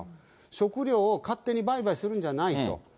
食糧を勝手に売買するんじゃないと。